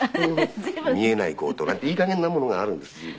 見えない強盗なんていい加減なものがあるんです随分。